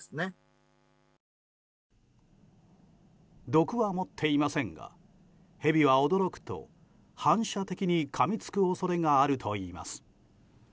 毒は持っていませんがヘビは驚くと反射的にかみつく恐れがあるといいます。